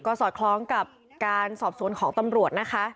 ก็สอดคล้องกับการสอบสวนของตำรวจนะคะ